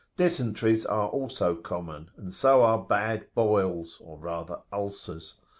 Dysenteries are also common, and so are bad boils, or rather ulcers.